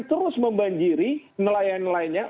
terus membanjiri nelayan nelayannya